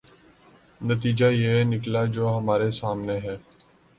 نتیجہ یہ نکلا جو ہمارے سامنے ہے۔